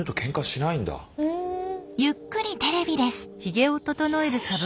ゆっくりテレビです。